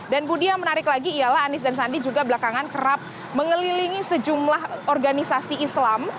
dan budi yang menarik lagi ialah anis dan sandi juga belakangan kerap mengelilingi sejumlah organisasi islam